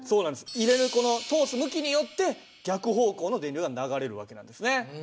入れるこの通す向きによって逆方向の電流が流れる訳なんですね。